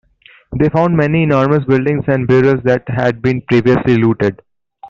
They found many enormous buildings and burials that had been previously looted.